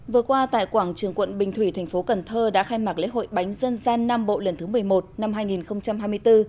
vừa qua tại quảng trường quận bình thủy thành phố cần thơ đã khai mạc lễ hội bánh dân gian nam bộ lần thứ một mươi một năm hai nghìn hai mươi bốn